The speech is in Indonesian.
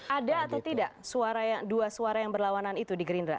ada atau tidak dua suara yang berlawanan itu di gerindra